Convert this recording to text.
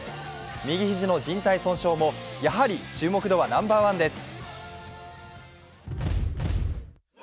右肘のじん帯損傷後もやはり注目度はナンバーワンです。